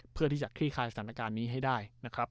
เพื่อที่จะคลี่คลายสถานการณ์นี้ให้ได้นะครับ